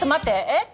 えっ？